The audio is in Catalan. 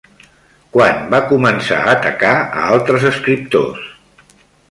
Quan va començar a atacar a altres escriptors?